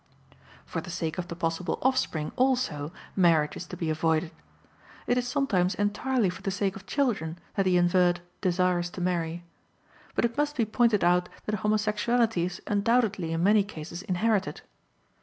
For the sake of the possible offspring, also, marriage is to be avoided. It is sometimes entirely for the sake of children that the invert desires to marry. But it must be pointed out that homosexuality is undoubtedly in many cases inherited.